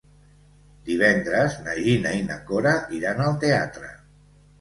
Divendres na Gina i na Cora iran al teatre.